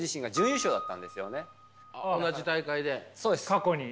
過去に？